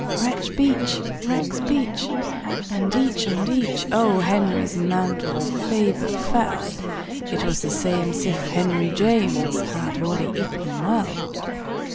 Rexbeach! rexbeach! and each on each O. Henry's mantles ferber fell. It was the same'sif henryjames Had wally eaton well.